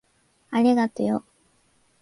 ありがとよ。